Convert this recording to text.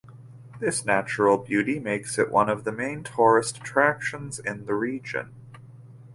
This natural beauty makes it one of the main tourist attractions in the region.